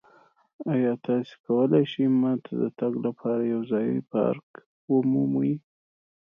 ایا تاسو کولی شئ ما ته د تګ لپاره یو ځایی پارک ومومئ؟